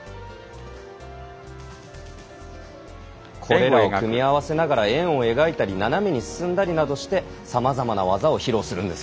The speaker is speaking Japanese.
これらを組み合わせながら円を描いたり斜めに進んだりなどしてさまざまな技を披露するんです。